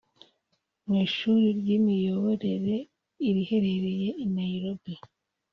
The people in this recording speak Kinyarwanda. mu ishuri ry’imiyoborere iriherereye i Nairobi